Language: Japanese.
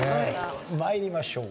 参りましょう。